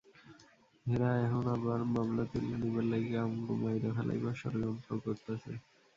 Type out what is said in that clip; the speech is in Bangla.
হেরা এহন আবার মামলা তুইল্যা নিবার লাইগ্যা আমগো মাইরা ফেলাইবার ষড়যন্ত্র করতাছে।